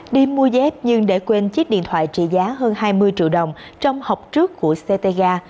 đi mua dép nhưng để quên chiếc điện thoại trị giá hơn hai mươi triệu đồng trong hộp trước của ctga